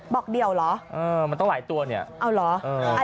บอกเดี่ยวเหรอเออมันต้องหลายตัวเนี่ยเอาเหรอ